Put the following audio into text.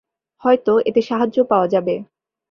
হয়তো এতে সাহায্য পাওয়া যাবে।